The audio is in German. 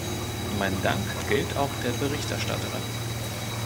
Mein Dank gilt auch der Berichterstatterin.